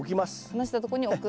離したとこに置く。